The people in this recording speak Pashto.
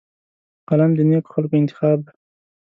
قلم د نیکو خلکو انتخاب دی